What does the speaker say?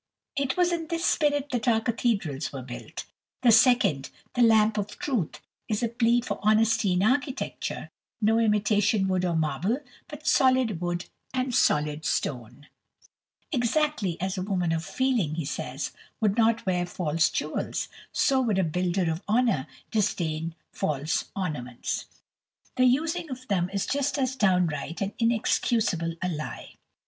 It was in this spirit that our cathedrals were built." The second, the Lamp of Truth, is a plea for honesty in architecture, no imitation wood or marble, but solid wood and solid stone. "Exactly as a woman of feeling," he says, "would not wear false jewels, so would a builder of honour disdain false ornaments. The using of them is just as downright and inexcusable a lie."